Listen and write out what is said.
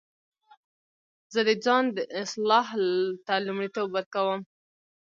زه د ځان اصلاح ته لومړیتوب ورکوم.